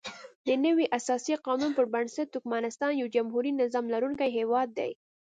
دنوي اساسي قانون پر بنسټ ترکمنستان یو جمهوري نظام لرونکی هیواد دی.